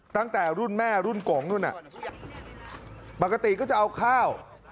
ตั้งแต่รุ่นแม่รุ่นกงนู่นน่ะปกติก็จะเอาข้าว